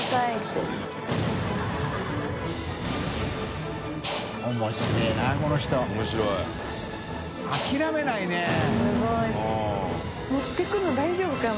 瀧本）持って行くの大丈夫かな？